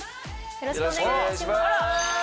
よろしくお願いします。